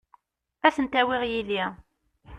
Ad tent-awiɣ yid-i.